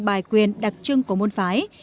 bài quyền đặc trưng của môn phái